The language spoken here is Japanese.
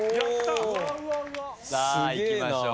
さあいきましょう。